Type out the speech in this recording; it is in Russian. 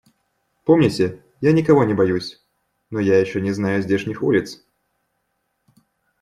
Помните, я никого не боюсь, но я еще не знаю здешних улиц.